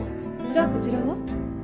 じゃあこちらは？